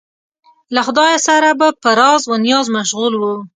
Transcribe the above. له خدایه سره به په راز و نیاز مشغول و.